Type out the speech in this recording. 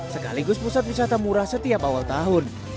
sekaligus pusat wisata murah setiap awal tahun